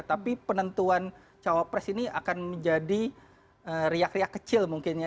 tapi penentuan cawapres ini akan menjadi riak riak kecil mungkin ya